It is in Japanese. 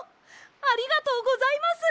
ありがとうございます！